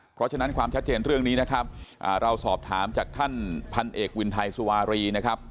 เพราะฉะนั้นความชัดเจนเรื่องนี้นะครับเราสอบถามจากท่านพันเอกวินไทยสุวารีนะครับ